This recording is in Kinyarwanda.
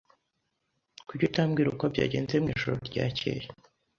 Kuki utambwira uko byagenze mwijoro ryakeye?